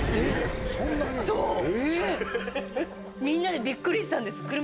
みんなでびっくりしたんです。